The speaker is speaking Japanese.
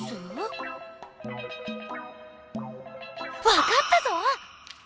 わかったぞ！